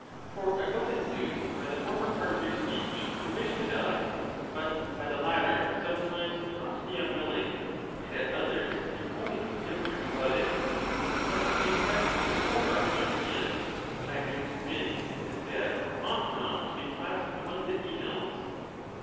For I was induced, by the former 60 THE TUSCULAN DISPUTATIONS. part of your speech, to wish to die; but, by the latter, sometimes not to be unwilling, and at others to be wholly indifferent about it. But the effect of your whole argu ment is, that I am convinced that death ought not to be classed among the evils.